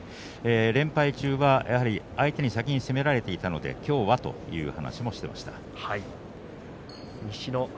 連敗中は相手に先に攻められていたのできょうはという話もしていました。